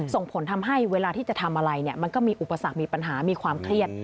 ส่งผลทำให้เวลาที่จะทำอะไรมันก็มีอุปสรรคมีปัญหามีความเครียด